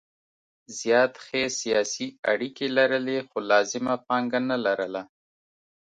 زیات ښې سیاسي اړیکې لرلې خو لازمه پانګه نه لرله.